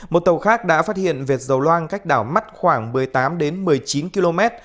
một tàu khác đã phát hiện vệt dầu loang cách đảo mắt khoảng một mươi tám đến một mươi chín km